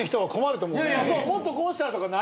もっとこうしたらとかないのよ。